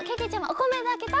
おこめたけた？